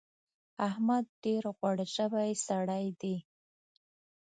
احمد ډېر غوړ ژبی سړی دی.